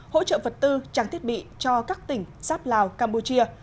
hỗ trợ vật tư trang thiết bị cho các tỉnh giáp lào campuchia